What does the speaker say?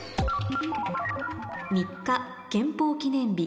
「３日憲法記念日」